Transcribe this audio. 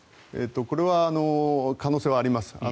これは可能性はあります。